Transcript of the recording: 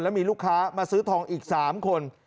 มีลูกค้ามาซื้อทองอีก๓คน